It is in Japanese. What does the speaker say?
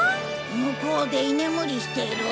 向こうで居眠りしてる。